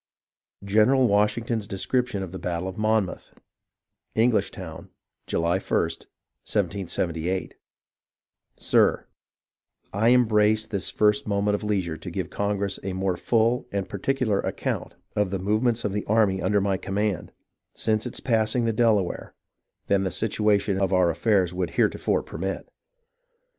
GENERAL WASHINGTON'S DESCRIPTION OF THE BATTLE OF MONMOUTH Englishtown, July i, 1778. Sir :— I embrace this first moment of leisure to give Congress a more full and particular account of the movements of the army under my command, since its passing the Delaware, than the situation of our affairs would heretofore permit.